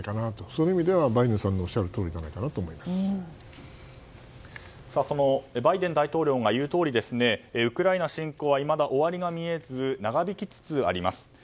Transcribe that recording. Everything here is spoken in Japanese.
そういう意味ではバイデンさんがバイデン大統領が言うとおりウクライナ侵攻はいまだ終わりが見えず長引きつつあります。